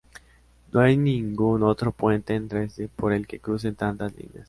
No hay ningún otro puente en Dresde por el que crucen tantas líneas.